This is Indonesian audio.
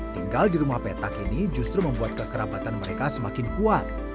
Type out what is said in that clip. tinggal di rumah petak ini justru membuat kekerabatan mereka semakin kuat